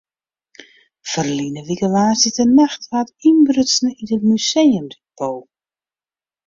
Ferline wike woansdeitenacht waard ynbrutsen yn it museumdepot.